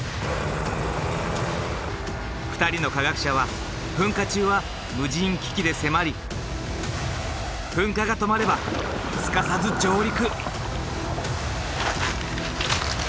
２人の科学者は噴火中は無人機器で迫り噴火が止まればすかさず上陸。